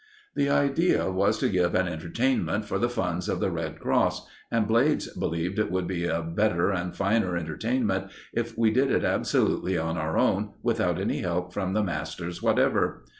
The idea was to give an entertainment for the funds of the Red Cross, and Blades believed it would be a better and finer entertainment if we did it absolutely on our own, without any help from the masters whatever.